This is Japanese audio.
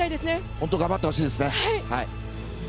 本当に頑張ってほしいですね！